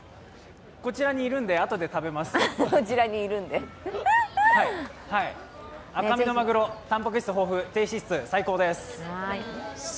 こちらにいるんで、あとで食べます赤身のマグロ低くて最高です。